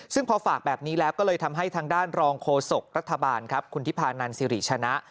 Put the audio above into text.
ซึ่งพอฝากแบบนี้แล้วก็เลยทำให้ทางด้านรองโฆษกรัฐบาลครับคุณทิพานันสิริชนะ